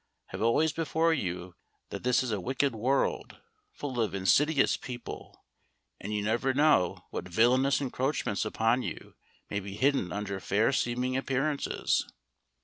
Have always before you that this is a wicked world, full of insidious people, and you never know what villainous encroachments upon you may be hidden under fair seeming appearances.